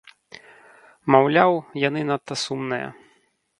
Маўляў, яны надта сумныя.